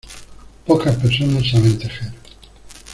Pocas personas saben tejer.